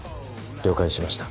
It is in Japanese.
了解しました